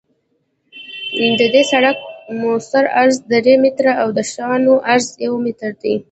د دې سرک مؤثر عرض درې متره او د شانو عرض یو متر دی